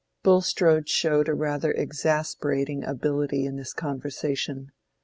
Bulstrode showed a rather exasperating ability in this conversation.